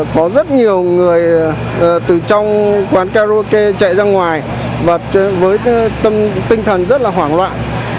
một người từ trong quán karaoke chạy ra ngoài với tâm tinh thần rất là hoảng loạn